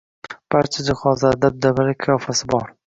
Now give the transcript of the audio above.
Barcha jihozlari, dabdabali qiyofasi bor.